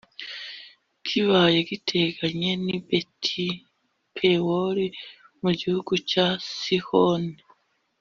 kibaya giteganye n i beti pewori mu gihugu cya sihoni